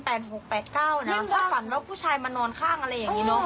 แปดหกแปดเก้าน่ะถ้าฝันแล้วผู้ชายมานอนข้างอะไรอย่างงี้เนอะ